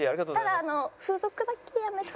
ただ風俗だけやめて。